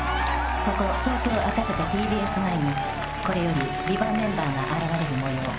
ここ東京・赤坂ＴＢＳ前に、これより「ＶＩＶＡＮＴ」メンバーが現れる模様。